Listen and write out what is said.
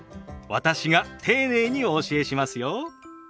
私が丁寧にお教えしますよ。